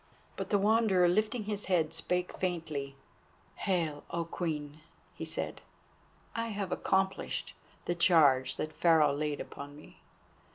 But the Wanderer lifting his head spake faintly: "Hail! O Queen!" he said, "I have accomplished the charge that Pharaoh laid upon me.